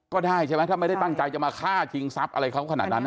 ก็ได้ใช่ไหมถ้าไม่ได้ตั้งใจจะมาฆ่าชิงทรัพย์อะไรเขาขนาดนั้น